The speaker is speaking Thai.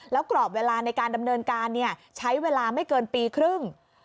แล้วกรอบเวลาในการดำเนินการใช้เวลาไม่เกินปีครึ่ง